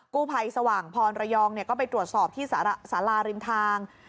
กู้ภัยสว่างพรระยองก็ไปตรวจสอบที่สาราริมทาง